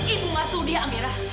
ibu masudi ya amira